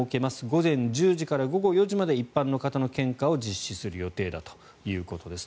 午前１０時から午後４時まで一般の方の献花を実施する予定だということです。